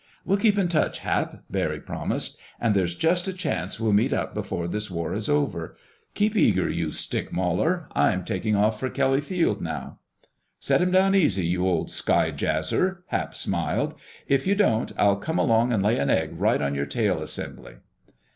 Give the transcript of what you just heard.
"We'll keep in touch, Hap," Barry promised. "And there's just a chance we'll meet up before this war is over. Keep eager, you stick mauler! I'm taking off for Kelly Field now!" "Set 'em down easy, you old sky jazzer!" Hap smiled. "If you don't, I'll come along and lay an egg right on your tail assembly."